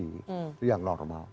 itu yang normal